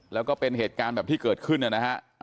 แล้วก็เป็นเหตุการณ์แบบที่เกิดขึ้นนะฮะ